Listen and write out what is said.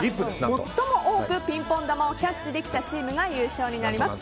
最も多くピンポン球をキャッチしたチームが優勝になります。